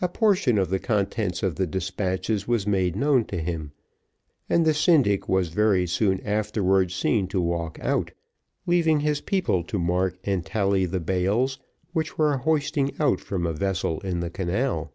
A portion of the contents of the despatches were made known to him, and the syndic was very soon afterwards seen to walk out, leaving his people to mark and tally the bales which were hoisting out from a vessel in the canal.